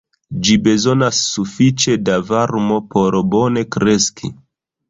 Ĝi bezonas sufiĉe da varmo por bone kreski.